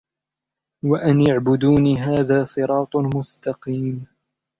وأن اعبدوني هذا صراط مستقيم